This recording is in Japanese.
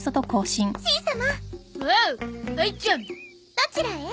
どちらへ？